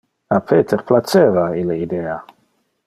A Peter placeva ille idea.